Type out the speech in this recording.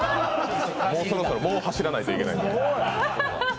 もうそろそろ走らないといけないので。